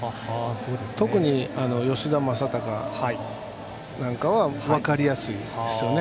特に吉田正尚なんかは分かりやすいですよね。